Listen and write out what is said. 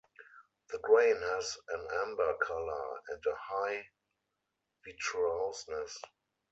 The grain has an amber colour and a high vitreousness.